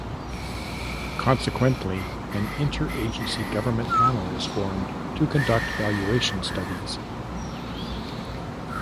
Consequently, an inter-agency government panel was formed to conduct valuation studies.